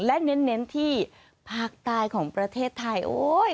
และเน้นที่ภาคใต้ของประเทศไทย